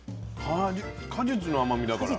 果実の甘みだから。